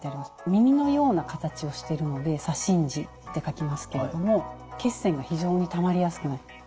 耳のような形をしているので左心耳って書きますけれども血栓が非常にたまりやすくなっている。